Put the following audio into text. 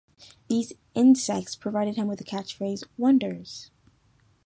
These "insects" provided him with the catchphrase "Wonders!